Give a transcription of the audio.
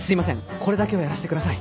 これだけはやらせてください。